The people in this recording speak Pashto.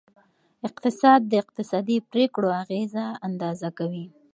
اقتصاد د اقتصادي پریکړو اغیزه اندازه کوي.